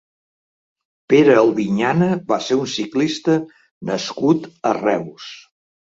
Pere Albiñana va ser un ciclista nascut a Reus.